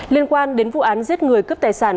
liên quan đến vụ án giết người cướp tài sản